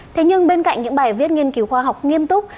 thế nhưng bên cạnh những bài viết nghiên cứu khoa học nghiêm túc